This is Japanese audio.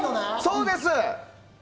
そうです。